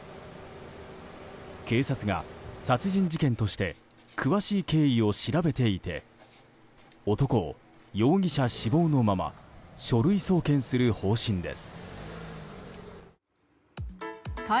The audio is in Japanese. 警察が殺人事件として詳しい経緯を調べていて男を容疑者死亡のまま書類送検する方針です。